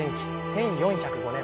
１４０５年。